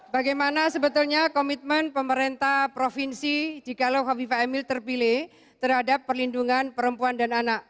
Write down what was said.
bagaimana sebetulnya komitmen pemerintah provinsi jikalau khofifa emil terpilih terhadap perlindungan perempuan dan anak